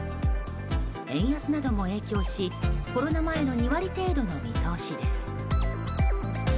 円安なども影響し、コロナ前の２割程度の見通しです。